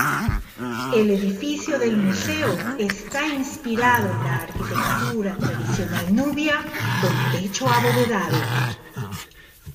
El edificio del museo está inspirado en la arquitectura tradicional nubia con techo abovedado.